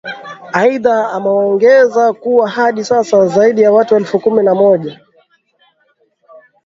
aidha ameongeza kuwa hadi sasa zaidi ya watu elfu kumi na moja